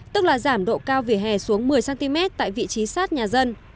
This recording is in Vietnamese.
tức là giảm độ cao vỉa hè xuống một mươi cm tại vị trí sát nhà dân